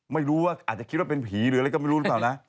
ไม่รู้ว่าอาจจะคิดว่าเป็นผีหรืออะไรก็ไม่รู้หรือเปล่านะ